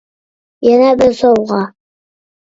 يەنە بىر سوۋغا.